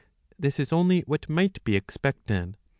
*^ This is only what might be expected.